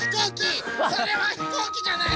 それはひこうきじゃないの？